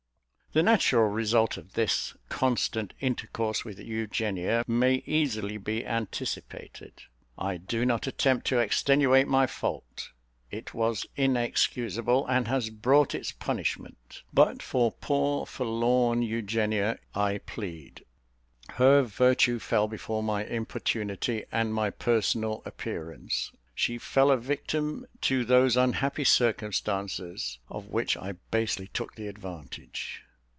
The natural result of this constant intercourse with Eugenia may easily be anticipated. I do not attempt to extenuate my fault it was inexcusable, and has brought its punishment; but for poor, forlorn Eugenia I plead; her virtue fell before my importunity and my personal appearance. She fell a victim to those unhappy circumstances of which I basely took the advantage.